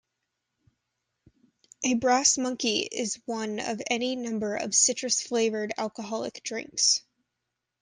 A "brass monkey" is one of any number of citrus-flavored alcoholic drinks.